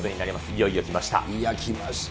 いよいよきました。